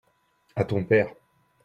à ton père.